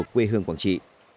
thương quản trị